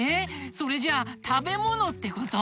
それじゃあたべものってこと？